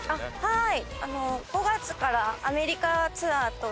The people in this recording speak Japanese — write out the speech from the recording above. はい。